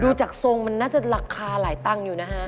ดูจากทรงมันน่าจะราคาหลายตังค์อยู่นะฮะ